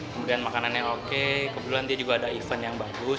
kemudian makanannya oke kebetulan dia juga ada event yang bagus